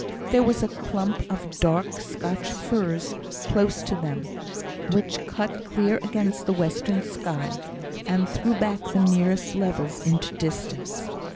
There was a clump of dark Scotch firs close to them, which cut clear against the western sky, and threw back the nearest levels into distance.